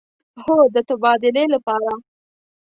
هو، د تبادلې لپاره